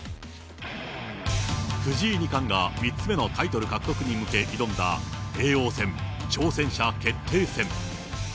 藤井二冠が３つ目のタイトル獲得に向け挑んだ叡王戦挑戦者決定戦。